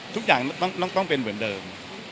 ทุกอย่างต้องเป็นเหมือนเดิม